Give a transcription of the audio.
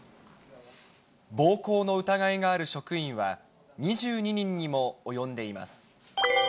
暴行の疑いがある職員は２２人にも及んでいます。